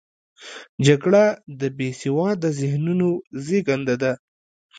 جګړه د بې سواده ذهنونو زیږنده ده